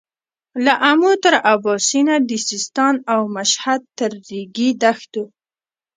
له امو تر اباسينه د سيستان او مشهد تر رېګي دښتو.